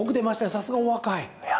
さすがお若い。